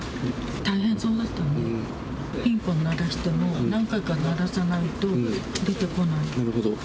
大変そうだったので、ピンポン鳴らしても、何回か鳴らさないと出てこない。